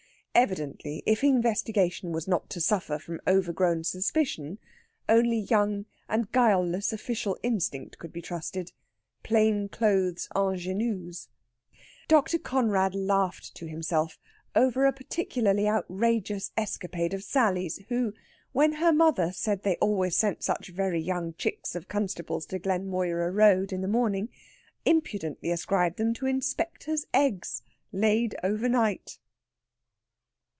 Evidently if investigation was not to suffer from overgrown suspicion, only young and guileless official instinct could be trusted plain clothes ingénus. Dr. Conrad laughed to himself over a particularly outrageous escapade of Sally's, who, when her mother said they always sent such very young chicks of constables to Glenmoira Road in the morning, impudently ascribed them to inspector's eggs, laid overnight.